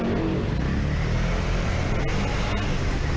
สุดท้ายเนี่ยขี่รถหน้าที่ก็ไม่ยอมหยุดนะฮะ